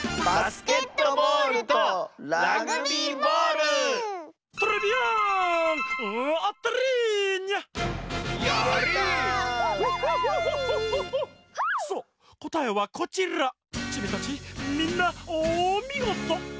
チミたちみんなおみごと！